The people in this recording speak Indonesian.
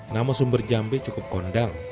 nama sumber jambi cukup kondang